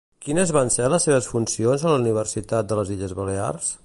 Quines van ser les seves funcions a la Universitat de les Illes Balears?